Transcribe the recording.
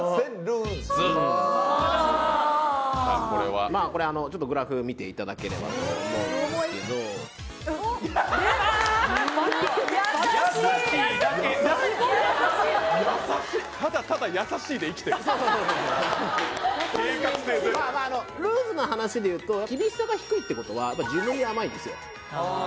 怖いこれグラフ見ていただければと思うんですけど優しいだけただただ「優しい」で生きてる計画性ゼロルーズな話でいうと厳しさが低いってことは自分に甘いですよ